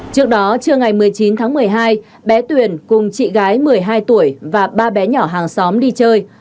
trước đó trưa ngày một mươi chín tháng một mươi hai bé tuyền cùng chị gái một mươi hai tuổi và ba bé nhỏ hàng xóm đi chơi